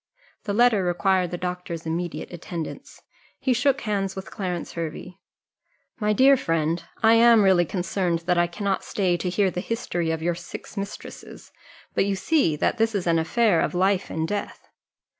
The letter required the doctor's immediate attendance. He shook hands with Clarence Hervey: "My dear friend, I am really concerned that I cannot stay to hear the history of your six mistresses; but you see that this is an affair of life and death."